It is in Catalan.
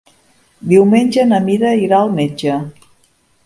Diumenge na Mira irà al metge.